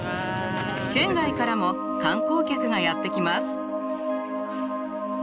県外からも観光客がやって来ます。